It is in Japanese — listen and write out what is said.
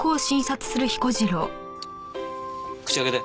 口開けて。